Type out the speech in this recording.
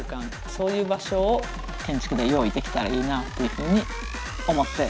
そういう場所を建築で用意できたらいいなっていうふうに思っています。